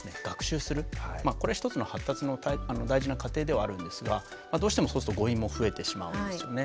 これは一つの発達の大事な過程ではあるんですがどうしてもそうすると誤飲も増えてしまうんですよね。